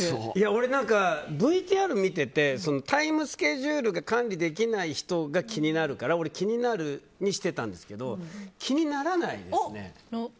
俺は、ＶＴＲを見ててタイムスケジュールが管理できない人が気になるから俺、気になるにしてたんですけど気にならないですね。